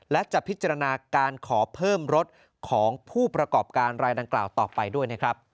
และจะพิจารณาการขอเพิ่มรถของผู้ประกอบการรายดังกล่าวต่อไปด้วยนะครับ